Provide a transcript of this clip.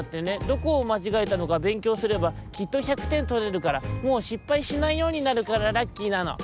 どこをまちがえたのかべんきょうすればきっと１００てんとれるからもうしっぱいしないようになるからラッキーなの」。